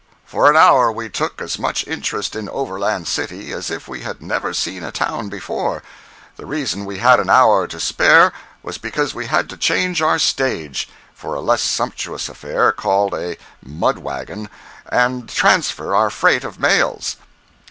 For an hour we took as much interest in Overland City as if we had never seen a town before. The reason we had an hour to spare was because we had to change our stage (for a less sumptuous affair, called a "mud wagon") and transfer our freight of mails.